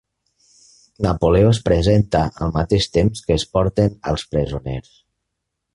Napoleó es presenta al mateix temps que es porten als presoners.